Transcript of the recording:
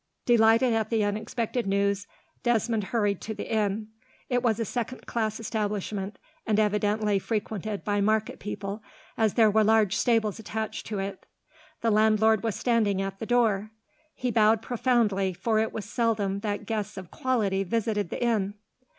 Delighted at the unexpected news, Desmond hurried to the inn. It was a second class establishment, and evidently frequented by market people, as there were large stables attached to it. The landlord was standing at the door. He bowed profoundly, for it was seldom that guests of quality visited the inn.